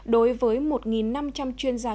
đối với một năm trăm linh chuyên gia